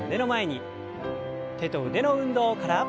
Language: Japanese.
手と腕の運動から。